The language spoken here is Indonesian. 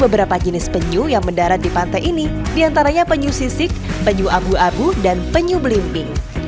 beberapa jenis penyu yang mendarat di pantai ini diantaranya penyu sisik penyu abu abu dan penyu belimbing